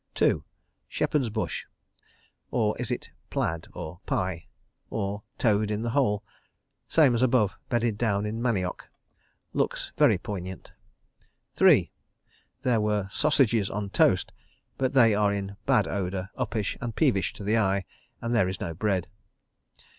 2. Shepherd's Bush (or is it Plaid or Pie?) or Toed in the Hole. Same as above, bedded down in manioc. Looks very poignant. 3. There were Sausages on Toast, but they are in bad odour, uppish, and peevish to the eye, and there is no bread.